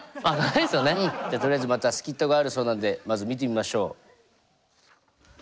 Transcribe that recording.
じゃあとりあえずまたスキットがあるそうなんでまず見てみましょう。